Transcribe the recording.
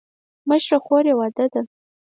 مشره خور یې واده ده.